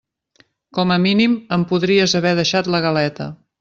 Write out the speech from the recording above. Com a mínim em podries haver deixat la galeta.